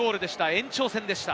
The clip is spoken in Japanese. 延長戦でした。